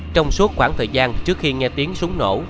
trong suốt khoảng thời gian trước khi nghe tiếng súng nổ